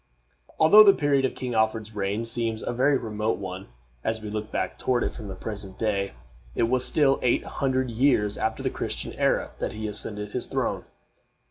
Although the period of King Alfred's reign seems a very remote one as we look back toward it from the present day, it was still eight hundred years after the Christian era that he ascended his throne.